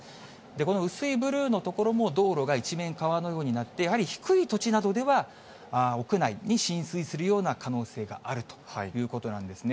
この薄いブルーの所も道路が一面川のようになって、やはり低い土地などでは、屋内に浸水するような可能性があるということなんですね。